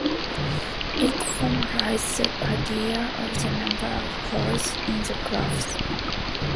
It formalizes the idea of the number of "holes" in the graph.